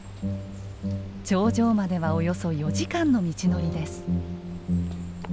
頂上まではおよそ４時間の道のりです。